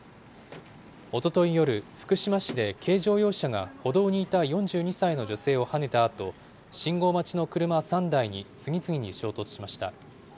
おととい夜、福島市で軽乗用車が歩道にいた４２歳の女性をはねたあと、信号待ちの車３台に次々に衝突しました。